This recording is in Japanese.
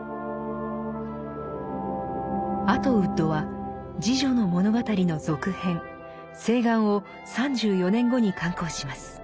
アトウッドは「侍女の物語」の続編「誓願」を３４年後に刊行します。